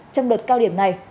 trong đợt cao điểm này